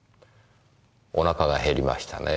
お腹が減りましたねぇ。